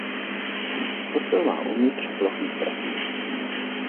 Kostel má uvnitř plochý strop.